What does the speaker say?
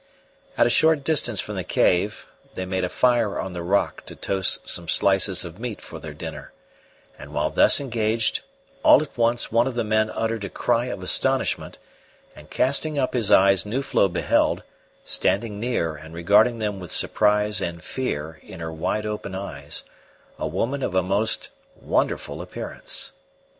At a short distance from the cave they made a fire on the rock to toast some slices of meat for their dinner; and while thus engaged all at once one of the men uttered a cry of astonishment, and casting up his eyes Nuflo beheld, standing near and regarding them with surprise and fear in her wide open eyes, a woman of a most wonderful appearance.